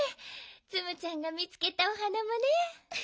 ツムちゃんがみつけたお花もね。